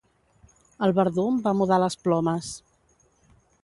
El verdum va mudar les plomes.